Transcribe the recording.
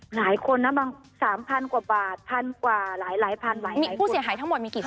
หลายคนน่ะบาง๓๐๐๐กว่าบาท